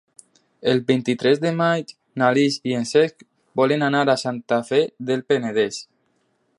El vint-i-tres de maig na Lis i en Cesc volen anar a Santa Fe del Penedès.